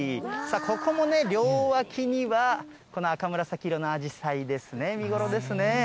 ここも両脇には、この赤紫色のあじさいですね、見頃ですね。